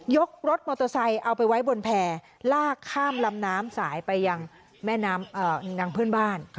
รถมอเตอร์ไซค์เอาไปไว้บนแผ่ลากข้ามลำน้ำสายไปยังแม่น้ำนางเพื่อนบ้าน